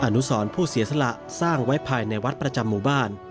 อนุสรผู้เสียสละสร้างไว้ภายในวัดประจำหมู่บ้าน